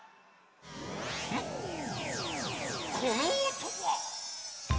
このおとは？